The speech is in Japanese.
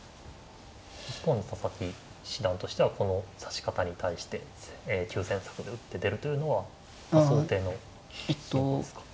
一方の佐々木七段としてはこの指し方に対して急戦策で打って出るというのは想定の進行ですか？